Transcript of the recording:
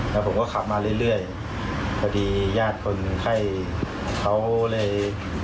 แล้วผมก็ขับมาเรื่อยพอดีญาติคนไข้เขาเลย